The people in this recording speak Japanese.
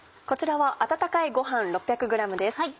こちらは温かいごはん６００ｇです。